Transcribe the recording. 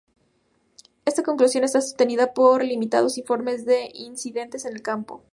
Esta conclusión está sostenida por limitados informes de incidentes en el campo.